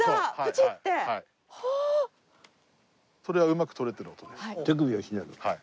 それはうまく採れてる音です。